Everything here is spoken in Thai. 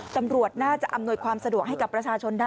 ตำรวจน่าจะอำนวยความสะดวกให้กับประชาชนได้